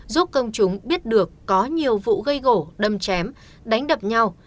giúp công chúng biết được có nhiều vụ gây gỗ đâm chém đánh đập nhau